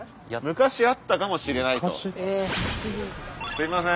すいません。